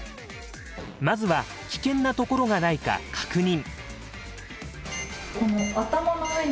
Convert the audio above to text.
まずは危険なところがないか確認。